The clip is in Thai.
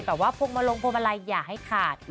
พวงมาลงพวงมาลัยอย่าให้ขาด